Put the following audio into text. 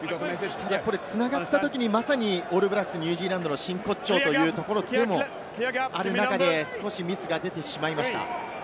繋がったときにまさにオールブラックス、ニュージーランドの真骨頂というところでもある中で少しミスが出てしまいました。